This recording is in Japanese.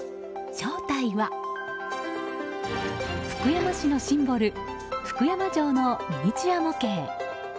正体は、福山市のシンボル福山城のミニチュア模型。